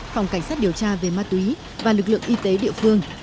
phòng cảnh sát điều tra về ma túy và lực lượng y tế địa phương